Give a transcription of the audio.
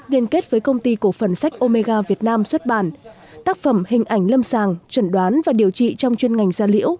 liên kết với công ty cổ phần sách omega việt nam xuất bản tác phẩm hình ảnh lâm sàng chuẩn đoán và điều trị trong chuyên ngành da liễu